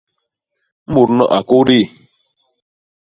Mut nu a kôdi?